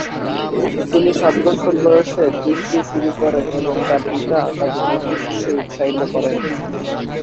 তিনি সাত বছর বয়সে কুস্তি শুরু করেন এবং তার পিতা তাকে কুস্তি শিখতে উৎসাহিত করেন।